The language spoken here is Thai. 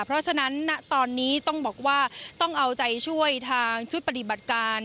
เพราะฉะนั้นณตอนนี้ต้องบอกว่าต้องเอาใจช่วยทางชุดปฏิบัติการ